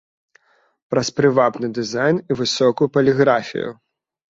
Праз прывабны дызайн і высокую паліграфію.